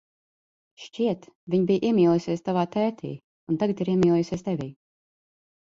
Šķiet, viņa bija iemīlējusies tavā tētī un tagad ir iemīlējusies tevī.